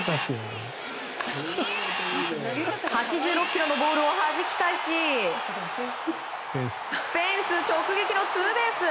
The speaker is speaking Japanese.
８６キロのボールをはじき返しフェンス直撃のツーベース。